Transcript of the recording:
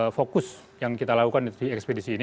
fokus yang kita lakukan di ekspedisi ini